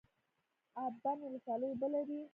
اب بند ولسوالۍ اوبه لري؟